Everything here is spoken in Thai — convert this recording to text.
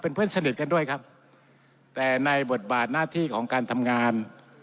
เพื่อนสนิทกันด้วยครับแต่ในบทบาทหน้าที่ของการทำงาน